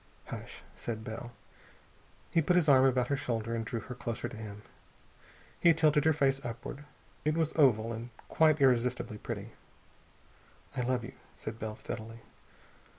"Hush!" said Bell. He put his arm about her shoulder and drew her closer to him. He tilted her face upward. It was oval and quite irresistibly pretty. "I love you," said Bell steadily.